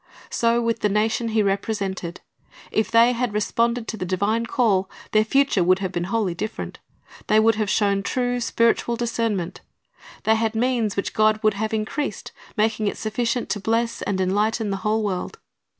So with the nation he represented. If they had responded to the divine call, their future would have been wholly different. They would have shown true spiritual discernment. They had means which God would have increased, making it sufficient to bless and enlighten the whole world.